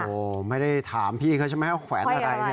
โอ้โหไม่ได้ถามพี่เขาใช่ไหมว่าแขวนอะไรเนี่ย